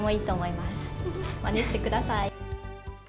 まねしてください。